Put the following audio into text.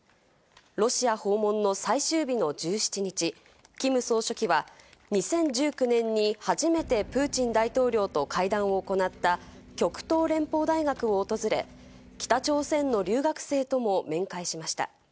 ロシア訪問の最終日の１７日、キム総書記は２０１９年に初めてプーチン大統領と会談を行った極東連邦大学を訪れ、北朝鮮の留学生とも面会しました。